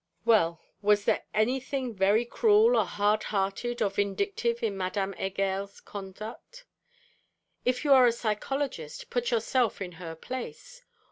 Well, was there anything very cruel, or hard hearted, or vindictive, in Madame Heger's conduct? If you are a psychologist, put yourself in her place.